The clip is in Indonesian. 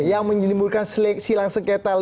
yang menimbulkan silang sengketa